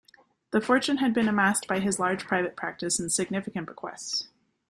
The fortune had been amassed by his large private practice and significant bequests.